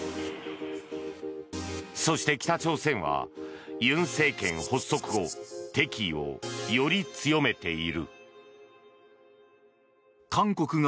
そして、北朝鮮は尹政権発足後敵意をより強めている。